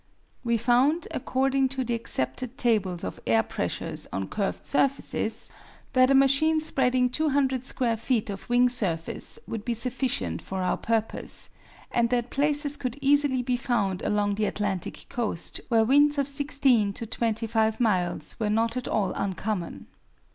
We found, according to the accepted tables of air pressures on curved surfaces, that a machine spreading 200 square feet of wing surface would be sufficient for our purpose, and that places could easily be found along the Atlantic coast where winds of 16 to 25 miles were not at all uncommon.